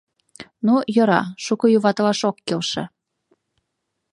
— Ну, йӧра, шуко юватылаш ок келше.